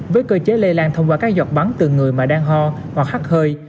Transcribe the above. với cơ chế lây lan thông qua các giọt bắn từ người mà đang ho hoặc hắt hơi